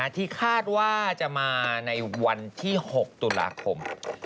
ที่คาดว่าจะมาในวันที่๖ตุลาคม